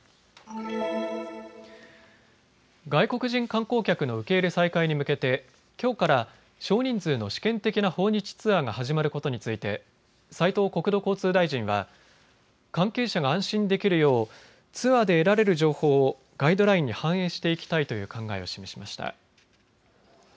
外国人観光客の受け入れ再開に向けて、きょうから少人数の試験的な訪日ツアーが始まることについて斉藤国土交通大臣は関係者が安心できるようツアーで得られる情報をガイドラインに反映していきたいという考えを示しました。